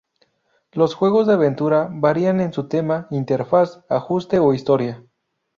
Los juegos de aventura varían en su tema, interfaz, ajuste o historia.